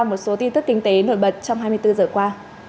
một số tin tức kinh tế nổi bật trong hai mươi bốn giờ qua